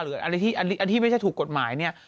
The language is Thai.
หรืออะไรที่ไม่ใช่ถูกกฎหมายเนี่ย